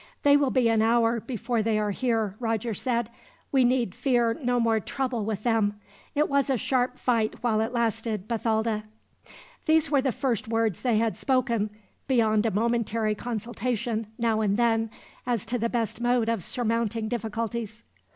"They will be an hour before they are here," Roger said. "We need fear no more trouble with them. It was a sharp fight while it lasted, Bathalda." These were the first words they had spoken, beyond a momentary consultation, now and then, as to the best mode of surmounting difficulties.